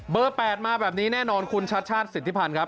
๘มาแบบนี้แน่นอนคุณชัดชาติสิทธิพันธ์ครับ